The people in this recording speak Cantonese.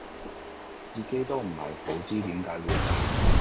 自己都唔係好知點解會咁